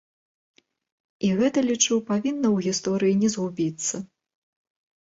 І гэта, лічу, павінна ў гісторыі не згубіцца.